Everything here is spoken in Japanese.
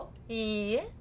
いいえ。